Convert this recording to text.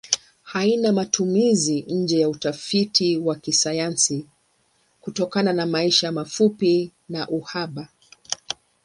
Haina matumizi nje ya utafiti wa kisayansi kutokana maisha mafupi na uhaba.